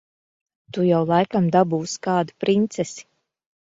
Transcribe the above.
Tu jau laikam dabūsi kādu princesi.